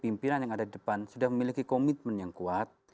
pimpinan yang ada di depan sudah memiliki komitmen yang kuat